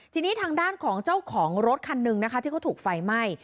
ทีนี้ทางด้านของเจ้าของรถคันหนึ่งนะคะที่เขาถูกไฟไหม้